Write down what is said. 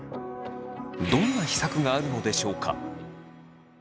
どんな秘策があるのでしょうか？